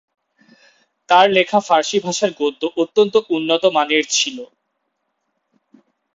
তার লেখা ফারসি ভাষার গদ্য অত্যন্ত উন্নত মানের ছিল।